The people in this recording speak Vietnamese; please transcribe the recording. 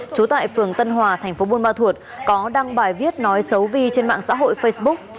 chú tại phường tân hòa tp buôn ma thuột có đăng bài viết nói xấu vi trên mạng xã hội facebook